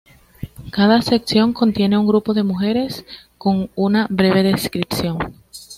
Cada sección contiene un grupo de mujeres con una breve descripción.